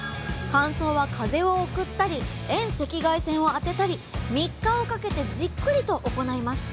乾燥は風を送ったり遠赤外線を当てたり３日をかけてじっくりと行います。